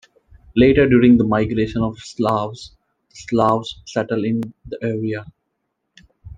Later, during the migration of the Slavs, Slavs settled in the area.